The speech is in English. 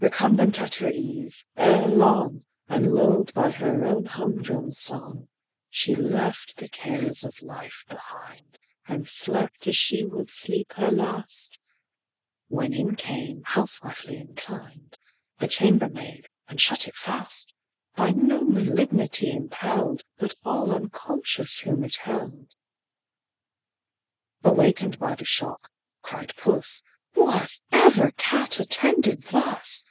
Recumbent at her ease, ere long, And lull'd by her own humdrum song, She left the cares of life behind, And slept as she would sleep her last, When in came, housewifely inclined, The chambermaid, and shut it fast; By no malignity impell'd, But all unconscious whom it held. Awaken'd by the shock (cried Puss) "Was ever cat attended thus?